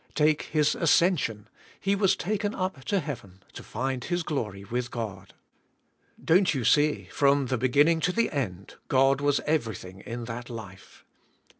Take His ascension. He was taken up to heaven to find His glory with God. Don't you see, from the beginning to the end, God was everything in that life.